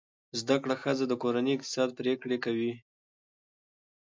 زده کړه ښځه د کورنۍ اقتصادي پریکړې کوي.